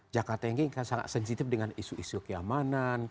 jakarta ini kan sangat sensitif dengan isu isu keamanan